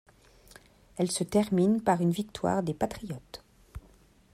Elle se termine par une victoire des patriotes.